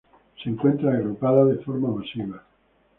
Se encuentran agrupadas de forma masiva.